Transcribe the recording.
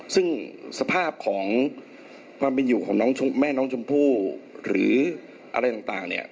ซึ่งสภาพของความเป็นอยู่ของแม่น้องชมพู่หรืออะไรต่างเนี่ย